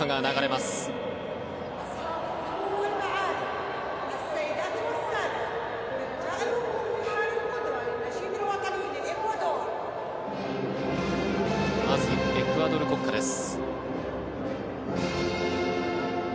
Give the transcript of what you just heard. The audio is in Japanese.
まず、エクアドル国歌です。